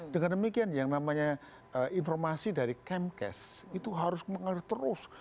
dengan demikian yang namanya informasi dari kemkes itu harus mengalir terus